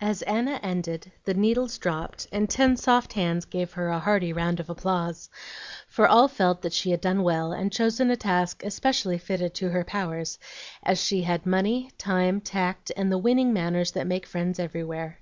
As Anna ended, the needles dropped and ten soft hands gave her a hearty round of applause; for all felt that she had done well, and chosen a task especially fitted to her powers, as she had money, time, tact, and the winning manners that make friends everywhere.